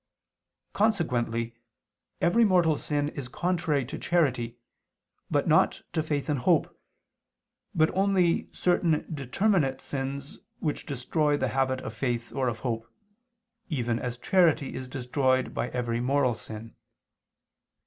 Consequently every mortal sin is contrary to charity, but not to faith and hope, but only certain determinate sins, which destroy the habit of faith or of hope, even as charity is destroyed by every moral sin.